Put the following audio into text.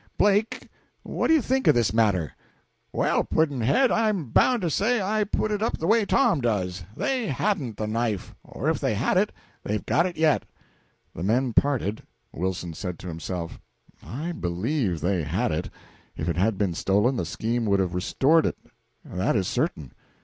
"Blake, what do you think of this matter?" "Well, Pudd'nhead, I'm bound to say I put it up the way Tom does. They hadn't the knife; or if they had it, they've got it yet." The men parted. Wilson said to himself: "I believe they had it; if it had been stolen, the scheme would have restored it, that is certain.